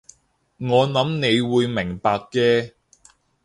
我諗你會明白嘅